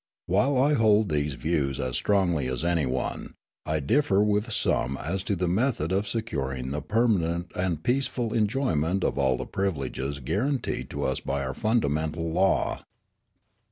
While I hold to these views as strongly as any one, I differ with some as to the method of securing the permanent and peaceful enjoyment of all the privileges guaranteed to us by our fundamental law.